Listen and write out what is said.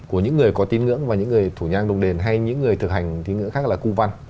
của những người có tín ngưỡng và những người thủ nhang đồng đền hay những người thực hành tín ngưỡng khác là cung văn